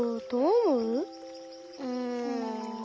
うん。